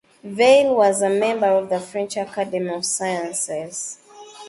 Veille was a member of the French Academy of Sciences.